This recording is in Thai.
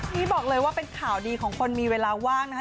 นี้บอกเลยว่าเป็นข่าวดีของคนมีเวลาว่างนะคะ